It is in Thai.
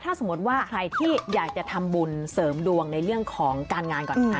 ถ้าสมมติว่าใครที่อยากจะทำบุญเสริมดวงในเรื่องของการงานก่อนค่ะ